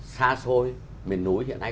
xa xôi miền núi hiện nay